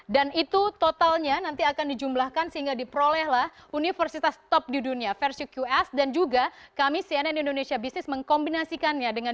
itu totalnya nanti akan dijumlahkan sehingga diperolehlah universitas top di dunia versu qs dan juga kami cnn indonesia business mengkombinasikannya dengan